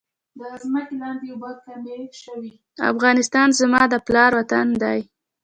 افغانستان زما د پلار وطن دی؟